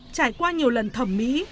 trải qua nhiều lần thẩm mỹ